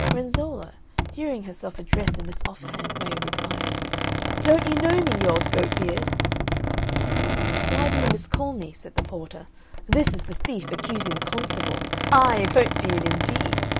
Renzolla, hearing herself addressed in this off hand way, replied, "Don't you know me, you old goat beard?" "Why do you miscall me?" said the porter. "This is the thief accusing the constable. I a goat beard indeed!